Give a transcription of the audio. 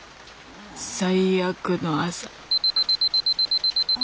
最悪の朝あ。